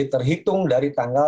terhitung dari tanggal tiga belas